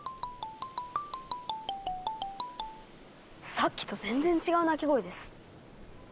さっきと全然違う鳴き声です。